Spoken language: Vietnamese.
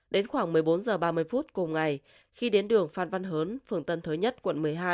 đến khoảng một mươi bốn h ba mươi phút cùng ngày khi đến đường phan văn hớn phường tân thới nhất quận một mươi hai